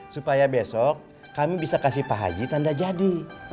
supaya besok kami bisa kasih pak haji tanda jadi